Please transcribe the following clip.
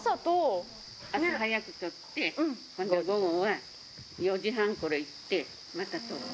朝早く取って、今度午後は４時半ごろ行って、また取る。